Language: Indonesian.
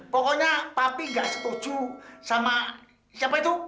pokoknya papi nggak setuju sama siapa itu